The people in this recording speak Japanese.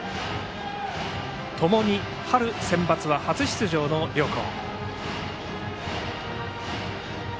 共に春センバツは初出場の両校。